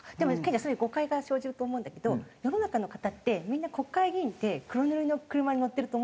それ誤解が生じると思うんだけど世の中の方ってみんな国会議員って黒塗りの車に乗ってると。